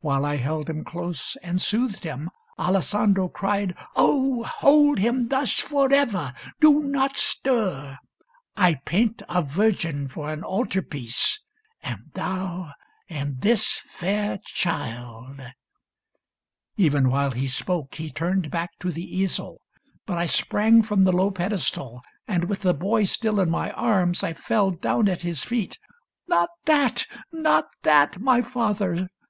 While I held Him close and soothed him, Alessandro cried, " O, hold him thus forever ! Do not stir ! I paint a virgin for an altar piece. And thou and this fair child " Even while he spoke He turned back to the easel ; but I sprang From the low pedestal, and, with the boy Still in my arms, I fell down at his feet. '^ Not that, not that, my father